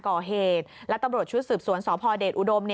ก่อเหตุและตำรวจชุดสืบสวนสพเดชอุดม